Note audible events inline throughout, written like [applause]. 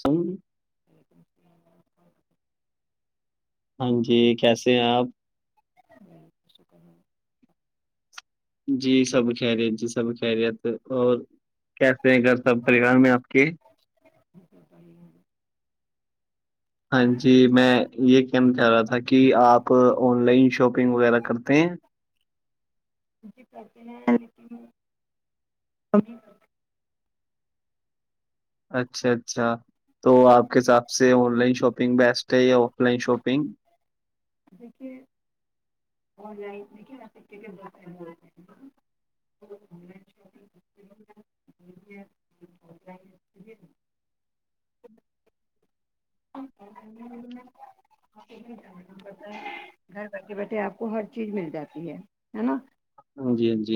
سی جٹیک ہاں جی کیسے ہیں آپ جی کہ جی سب کہرییت جی سب کہرییت اور کیسے ہیں گھر سب پریوار میں آپ کے تو پی ہاں جی میں یہ کہنا چاہ رہا تھا کہ آپ آن لائن شاپنگ وغیرہ کرتے ہیں پر اچھا اچھا تو آپ کے حساب سے آن لائن شاپنگ بیسٹ ہے یا آف لائن شاپنگ جبیک آن لائن فائدے ہیں، [inaudible] بیٹھے بیٹھے آپ کو ہر چیز مل جاتی ہے نا ہ [unintelligible]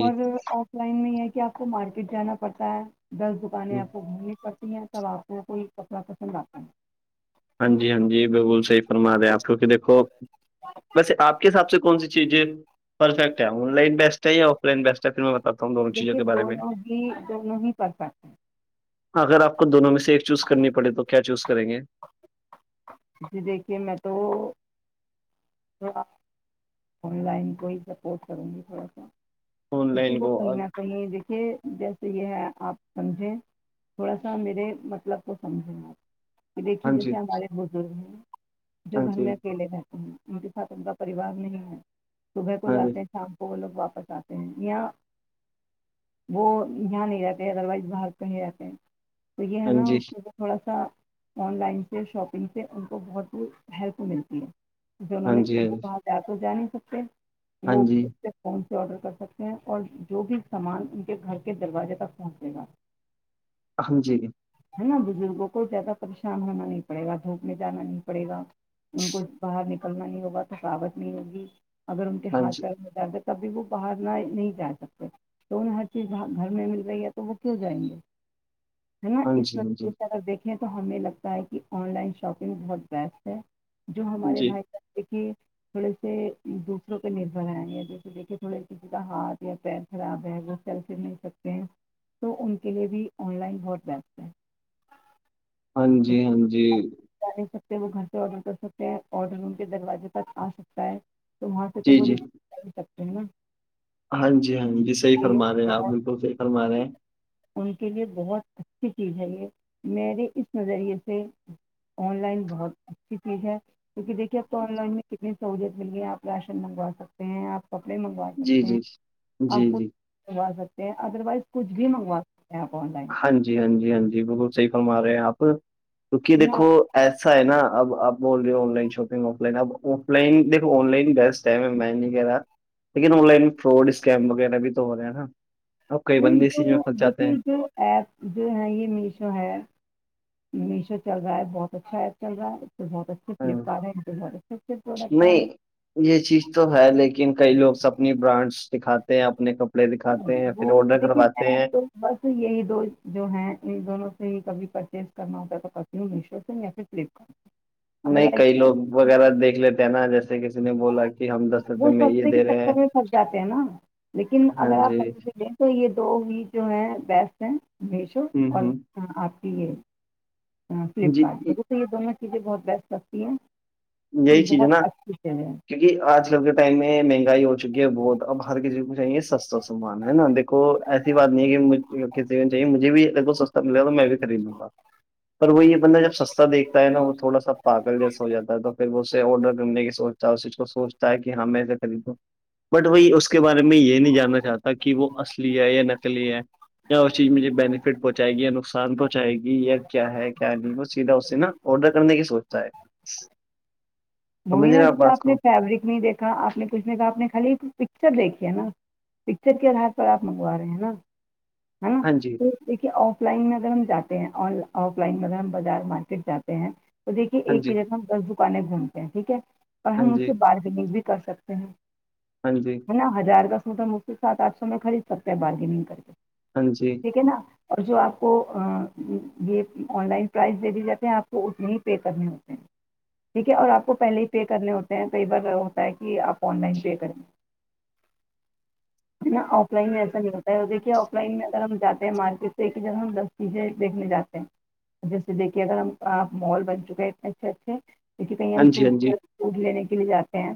اور آف لائن میں یہ کہ آپ کو مارکیٹ جانا پڑتا ہے دس دکانیں آپ کو گھومنی پڑتی تب آپ کو کوئی کپڑا پسند آ کرنا ہاں جی ہاں بالکل صیف فرما رہے آپ کی کہ دیکھو ویسے آپ کے حساب سے کون سی چیزیں پرفیکٹ ہے آن لائن بیسٹ ہے ہی ہو پل بیسٹ ہے پھر میں بتاتا ہوں دونوں چیزوں دیکھیے کے بارے میں دونوں ہی دونوں ہی پرفیکٹ ہیں اگر آپ کو دونوں میں سے ایک چوز کرنی پڑے تو کیا چوز کریں گے جی دیکھیے میں تو تواں لائن کو سپ س گ تھڑا سا آن لائن کو ہاں کہیں دیکھیے جیسے یہ ہے آپ سمجھے تھوڑا سا میرے مطلب کو سمجھنا کہ دیکھیے جی جیسے ہمارے بزرگ ہیں جو ہاں گھر جی میں اکیلے رہتے ہیں ان کے ساتھ ان کا پریوار نہیں ہے صبح کو ہاں جاتے ہیں شام کو وہ لوگ واپس آتے ہیں یہیااں وہ یہاں نہیں رہتے ادروائز باہر پے رہتے ہیں تو یہ ہے نا جی اس تھوڑا سا آن لائن سے شاپنگ سے ان کو بہت ہی ہیلپ ملتی ہے جوہوں ہاں نے جی وہاں جا تو جا نہیں سکتے ہاں وہ جی اس فون سے آڈر کر سکتے ہیں اور جو بھی سامان ان کے گھر کے دروازے تک پہنچے گا الم جی ہے نا بزرگوں کو زیادہ پریشان ہونا نہیں پڑے گا دھوپ میں جانا نہیں پڑے گا ان کو باہر نکلنا نہیں ہوگا تقاوت نہیں ہوگی اگر ان کے ہاں ہاتھ جی پ میں زیادہ کبھی وہ باہر نہ نہیں جا سکتے تو انہیں ہر چیز گھر میں مل گئی ہے تو وہ کیوں جائیں گے ہے نا ہاں اس جی ہاں جی نظریے سے ہاں اگر دیکھیں تو ہمیں لگتا ہے کہ آن لائن شاپنگ بہت بیسٹ ہے جو جی ہمارے جی بھائی کا ایک تھوڑے سے دوسروں پہ نربر آئے یا جیسے دیکھیے تھوڑے کگ کا ہاتھ یا پیر خراب ہے وہ سلف نہیں سکتے ہیں تو ان کے لیے بھی آن لائن بہ بس ہاں جی ہاں جی جا نہیں سکتے وہ گھر سے آرڈر کر سکتے ہیں آرڈر ان کے دروازے پرک آ سکتا ہے تو وہاں سے تو جی ب جی سکتے ہیں نا ہاں جی ہاں جی صحی اس فرما کے رہے لیے ہیں آپ بہت بالکل صحی فرما رہے ہیں ان کے لیے بہت اچھی چیز ہے یہ میرے اس نظریے سے آن لائن بہت اچھی چیز ہے کیونکہ دھیے آپ کو آن لائن میں کتنی سہوولت مل گ ہے آپ راشن منگوا سکتے ہیں آپ کپڑے منگوا جی سکتے ہیں جی جی آپ کو جی مگوا سکتے ہیں ادروائز کچھ بھی منگوا سکتے ہیں آپ لائن ہاں جی ہاں جی ہاں جی بالکل صحی فرما رہے ہیں آپ کیکہ ہے نا؟ دیکھو ایسا ہے نا ابپ بول رہی ہو online shopping offline اب آف لائن دیکو آن لائن گٹ ہے میں نہیں کہہ رہا لیکن آن لائن فراڈ اسکیم وغیرہ بھی تو ہو رہے ہیں نا اب کئی نہیں بندے اسیز میں جو پھنس جاتے دیکھیے ہیں جو ایپ جو ہیں یہ میشو ہے میشو چل رہا ہے بہت اچھا ایپ چل رہا ہے تو بہت اچھے ہاں، فلپکارٹ ہے ان کے گ اسے پ رہتا ہے نہیں یہ چیز تو ہے لیکن کئی لوگ اپنی برانڈس دکھاتے ہیں اپنے کپڑے دکھاتے ہیں پھر آڈر دیکھی کرواتے میں ہیں تو بس یہی دو جو ہے ان دونوں سے ہی کبھی پرچیز کرنا ہوتا ہے تو پتی ہوں میشو سے یا پھر فلپ نہیں کئی لوگ وغیرہ دیکھ لیتے ہیں نا جیسے کسی نے بولا کہ ہم دس روپے وہ میں یہ سستے کے دے رہے چکر ہیں میں جاتے ہیں نا لیکن ہاں اگر آپ جی س تو یہ دو ہیی جو ہیں بیسٹ ہیں میشو ہ اور ہ آپ کی یہ جی فلپکارٹ میںھے یہ دونوں چیزیں بہت بیسٹ لگتی ہیں یہی یہ چیز ہے بہت نا اچھی چیزیں ہیں کیوںکہ آج کل کے ٹائم میں مہنگائی ہو چکی ہے بہت اب باہار کے چیز کو چاہیے سستا سامان ہے نا د کو ایسی بات نہیں ہے کہ کسی کو چاہیے مجھے بھی ب کو سستا ملے گا تو میں بھی خرید لوں گا پر وہ یہ بندہ جب سستا دھتا ہے نا وہ تھوڑا س پال جیسا ہو جاتا ہے ے آڈر کرنے کی سوچتا ہے اسی سوچتا ہے کہ ہاں میںے خریدوں بٹ وہی اس کے بارے میں یہ نہیں جاننا چاہتا کہ وہ اصلی ہے یا نکلی ہے کیا اس چیز مجھے بینفٹ پہنچائے گییا نقصان پہنچائے گی یا کیا ہے کیا نہیں وہ سیدھا اس سے نا آرڈر کرنے کی سوچتا ہے وہی سمجھ رہے نا ہیں جیسے بات آپ نے کو فیبرک نہیں دیکھا آپ نے کچھ نہیں کہا آپ نے خالی پکچر دیکھی ہے نا پکچر کے آدھار پر آپ منگوا رہے ہیں نا نا ہاں جی دیکے آف لائن میں اگر ہم جاتے ہیں آف لائن میں اگر ہم بازار مارکیٹ جاتے ہیں تو دیکھیے ہاں ایک کی جی جگہ ہم دس دکانیں گھومتے ہیں ٹھیک ہے اور ہاں ہم اس کے جی بارگننگ بھی کر سکتے ہیں ہاں جی نا ہزار کا سوٹ م اس سے سات آٹھ سو میں خرید سکتے ہیں بارگیننگ کر کے ہاں جی ٹھیک ہے نا اور جو آپ کو یہ آن لائن پرائز دے دیے جاتی ہیں آپ کو ات میں ہی پے کرنے ہوتے ہیں ٹھیک ہے اور آپ کو پہلے ہی پے کرنے ہوتے ہیں کئی بار ہوتا ہے کہ آپ آن لائن پے کریں گے ن آف لائن میں ایسا نہیں ہوتا ہے وہ دیکھیے آف لائن میں اگر ہم جاتے ہیں مارکیٹ ایک جگہ ہم دس چیزیں دیکھنے جاتے ہیں جیسے دیکھیے اگر ہمپ مال بن چکے ہیں اتنے اچھے اچھے کیکہ کہیں ہاں ہم جی ہاں جی فٹ لینے کے لیے جاتے ہیں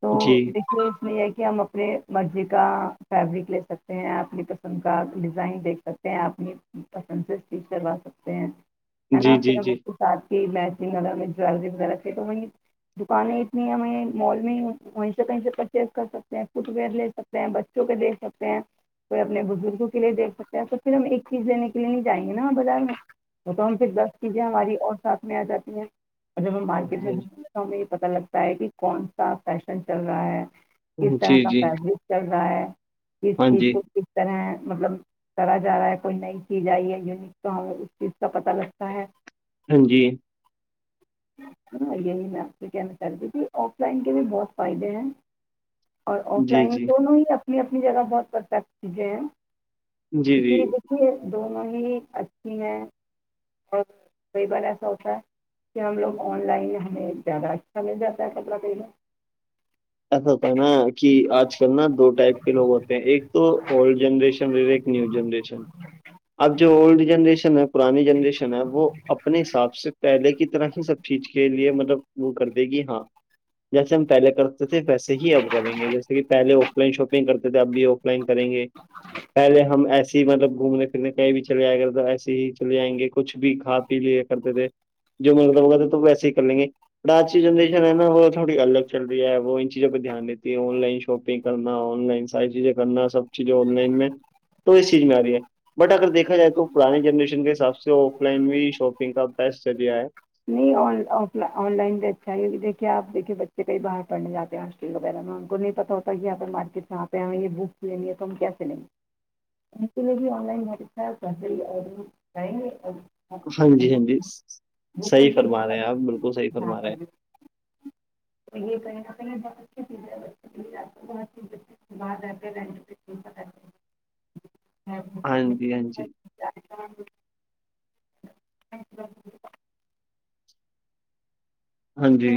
تو جی دیکھیے اس میں یہ کہ ہم اپنے مرضی کا فیبرک لے سکتے ہیں اپنی پسند کا ڈیزائن دیکھ سکتے ہیں اپنی پسند سے ییک کروا سکتے ہیں ہے نا جی پھر جی جی اس کے ساتھ ہی میچ ج جویلری وغیرہ خد دکانیں اتنی ہمیں مال میں وہیں سے کہیں سے پرچیز کر سکتے ہیں فٹ ویئر لے سکتے ستے بچوں کے دیکھ سکتے ہیں کوئی اپنے بزرگوں کے لیے دیکھ سکتا ہے تو پھر ہم ایک چیز لینے کے لیے نہیں جائیں گے نا بازار میں وہ تو ہم پھر دس چیزیں ہماری اور ساتھ میں آ جاتی ہیں اور جب ہم ہاں جی مارکیٹ میں جے ہمیں یہ پتتا لگتا ہے کہ کون سا فیشن چل رہا ہے کس طرح جی کا جی ف چل رہا ہے کس ہاں چیز جی کو کس طرح مطلب کرا جا رہا ہے کوئی نئی چیز آئی ہے یونک تو ہمیں اس چیز کا پت لگتا ہے ہاں جی ہ یہین کیا ن کر دی تھی آف لائن کے بھی بہت فائدے ہیں اور آف جی لائن جی دونوں ہی اپنی اپنی جگہ بہت پرفیکٹ چیزیں جی ہیں جی کی یہ دونوں ہی اچھی ہیں اور کئی بار ایسا ہوتا ہے کہ ہم لوگ آن لائن ہمیں زیادہ اچھا ل جاتا ہے کبرا کلا ایسا ہوتا ہے نا کہ آج کل نا دو ٹائپ کے لوگ ہوتے ہیں ایک تو اولڈ جنریشن نیو جنریشن اب جو اولڈ جنریشن ہے پرانی جنریشن ہے وہ اپنے حساب سے پہلے کی طرح ہی سب چیز کے لیے مطلب وہ کر دے گی ہاں جیسے ہم پہلے کر تھے ویسے ہی اب کریں گے جیسے پہے آف لائن شاپنگ کرتے تھے اب بھی آف لائن کریں گے پہلے ہم ایسے مطلب گھومنے پھرنے کہیں بھی چلے آئے گے تو ایسے ہی چل جئیں گے کچھ بھی کھا پی لیا کرتے تھے جو مطلب ہو تو ویسے ہی کر لیں گے آج کی جنریشن ہے ن نہ وہ تھوڑی الگ چل رہی ہے وہ ان چیزوں پہ دھیان دیتی ہے آن لائن شاپنگ کرنا آن لائن ساری چیزیں کرنا سب چ آن لائن میں تو اس چیز میں آ رہی ہے بٹ اگر دیکھا جائے تو پرانے جنریشن کے حساب سے جو آف لائن میں شاپنگ کا بیسٹ ذریعہ ہے نہیں آف آن لائن بھی اچھا ہی ہوگی دیکے آپ دیکھیے بچے ک کہ باہرڑنے جاتے آ وغیرہ میں ہم کو نہیں پتا ہوتا کہ آپگر مارکٹ یہاں پہ ہم یہ بک لینی ہے تو ہم کیا سے لیں گے م بھیائن پریشا ب ا نہیں ہاں جی ہاں جی صحیح ان کے فرما گھر رہے ہیں آپ بالکل صحی فرما رہے ہیں چھیز ج [unintelligible] ہاں جی ہاں جی اچھا ہاں جی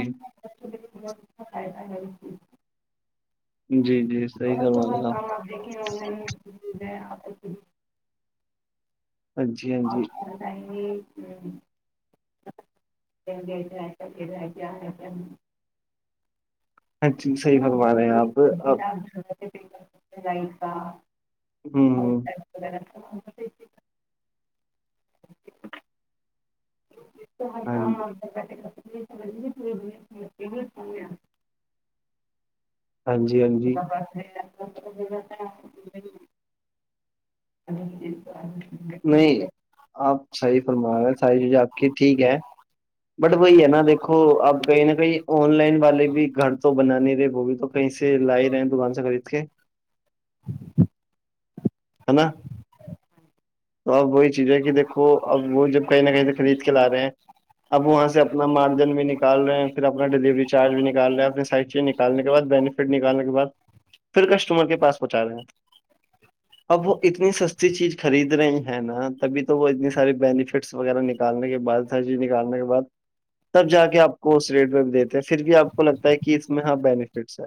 فائدہ ہو جی جی صحیح اور تو کروا رہے ہر ہیں کام آپ دیکھیں آپ ہاں جی ہاں جی [unintelligible] [unintelligible] اچی صحی ہے نا متوا بہت رہے ہیں ساری آپپ تبدیل [unintelligible] ہوں [unintelligible] ہاں [unintelligible] ہاں جی ہاں جی [unintelligible] نہیں [unintelligible] آپ صحیح فرما رہے سائ جو آپ کی ٹھیک ہے بٹ وہی ہے نا دیکو اب کہیں نہ کہیں آن لائن والے بھی گھر تو بنانے تھے وہ بھی تو کہیں سے لا رہے ہیں دکان سے خرید کے ہے نا تو اب وہی چیز ہے کہ دیکھو اب وہ جب کہیں نہ کہیں سے خرید کے لا رہے ہیں اب وہاں سے اپنا مارجن بھی نکال رہے ہیں پھر اپنا ڈیلیوری چارج بھی نکال رہے ہیں اپنے سائڈ چ نکالنے بعد بینیفٹ نکالنے کے بعد پھر کسٹمر کے پاس پہنچا رہے ہیں اب وہ اتنی سستی چیز خرید رہی ہیں نا تبھی تو وہ اتنی ساری بینفٹس وغیرہ نکالنے کے بعد سر جی نکالنے کے بعد تب جا کے آپ کو اس ریٹ میں بھی دیتے ہیں پھر بھی آپ کو لگتا ہے کہ اس میں ہاں بینیفٹ اچا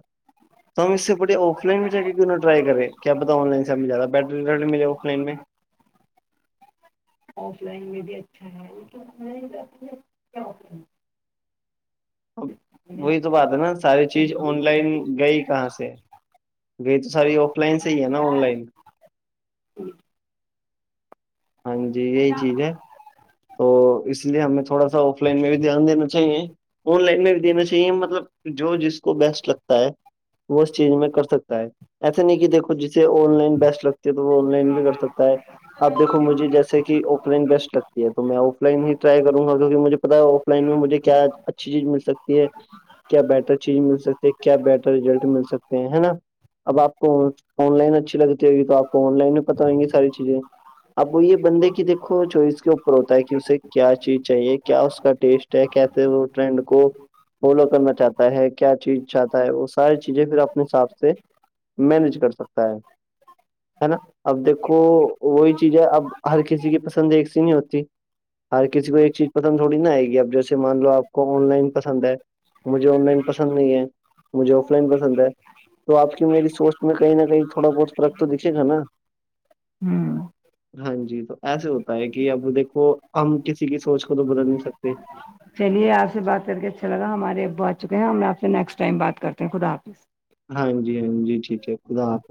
تو ہم اس سے پڑے آف لائن میں ج کے کیوں نہ ٹرائی کریں کیا پتا آن لائن سب مل جا بیٹری وٹری ملےا فن میں آف لائن میں بھی اچھا ہے [unintelligible] اب وہی تو ہوں بات ہے نا ساری چیز آن لائن گئی کہاں سے گئی تو ساری آف لائن سے ہی ہے نا آن لائن ہاں جی یہی چیز ہے ہ تو [unintelligible] اس لیے ہمیں تھوڑا سا آف لائن میں بھی دھیان دینا چاہیے آن لائن میں بھی دینا چاہیے مطلب جو جس کو بیسٹ لگتا ہے وہ اس چیز میں کر سکتا ہے ایسے نہیں کہ دھو جسے آن لائن بیسٹ لگتی ہے تو وہ آن لائن بھی کر سکتا ہے اب دیکو مجھے جیسے کہ اوپنگ بیسٹ لگتا یہ تو میں آف لائن ہی ٹرائی کروں گا کیکہ مجھے پتا ہے آف لائن میں مجھے کیا اچھی چیز مل سکتی ہے کیا بیٹر چیز مل سکتی ہے کیا بیٹر ریزلٹ مل سکتے ہیں ہے نا اب آپ کو آن لائن اچھی لگتی ہوگی تو آپ کو آن لائن میں پت ہویں گی ساری چیزیں اب وہ یہ بندے کی دیکھو چ اس کے ہوتا ہے کہ اسے کیا چیز چاہیے کیا اس کا ٹیسٹ ہے کیسے وہ ٹرینڈ کو فالو کرنا چاہتا ہے کیا چیز چاہتا ہے وہ ساری چیزیں پھر اپنے حساب سے مینج کر سکتا ہے ہے نا اب دیکھو وہی چیزیں اب ہر کسی کی پسند ایک س نہیں ہوتی ہر کسی کو ایک چیز پسند تھوڑی نا آئے گی اب جیسے مان لو آپ کو آن لائن پسند ہے مجھے آن لائن پسند نہیں ہے مجھے آف لائن پسند ہے تو آپ کی میری سوچ [unintelligible] میں کہیں نہ کہیں تھوڑا بہت فرق تو دکھے گا ہوں ہاں جی تو ایسے ہوتا ہے کہ اب دیکھو ہم کسی کی سوچ کو تو بدل نہیں سکتے چلیے آپ سے بات کر کے اچھا لگا ہمارے ابو آ چکے ہیں ہم آپ سے نیکسٹ ٹائم بات کرتے ہیں خدا حافظ ہاں جی ہاں جی ٹھیک ہے خدا آپ